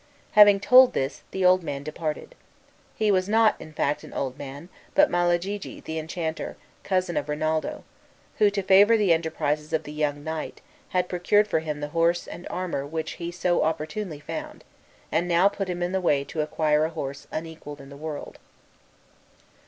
Having told this, the old man departed. He was not, in fact, an old man, but Malagigi, the enchanter, cousin of Rinaldo, who, to favor the enterprises of the young knight, had procured for him the horse and armor which he so opportunely found, and now put him in the way to acquire a horse unequalled in the world.